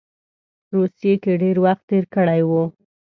روسیې کې ډېر وخت تېر کړی وو.